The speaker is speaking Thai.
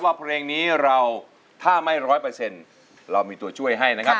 ว่าเพลงนี้เราถ้าไม่ร้อยเปอร์เซ็นต์เรามีตัวช่วยให้นะครับ